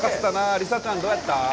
梨紗ちゃん、どうやった？